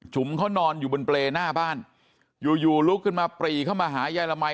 เขานอนอยู่บนเปรย์หน้าบ้านอยู่อยู่ลุกขึ้นมาปรีเข้ามาหายายละมัย